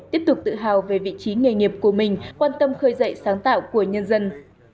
tiếp tục tự hào về vị trí nghề nghiệp của mình quan tâm khơi dậy sáng tạo của nhân dân